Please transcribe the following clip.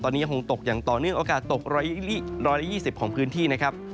ตอนนี้คงตกอย่างต่อเนื่องโอกาสตก๑๒๐ของพื้นที่